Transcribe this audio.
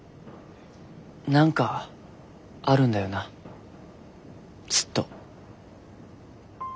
何かあるんだよなずっと。